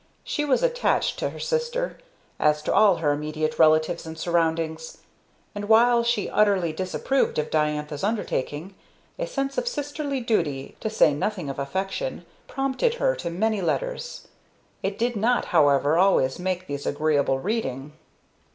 She was attached to her sister, as to all her immediate relatives and surroundings; and while she utterly disapproved of Diantha's undertaking, a sense of sisterly duty, to say nothing of affection, prompted her to many letters. It did not, however, always make these agreeable reading.